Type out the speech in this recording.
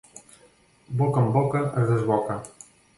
Boca amb boca es desboca.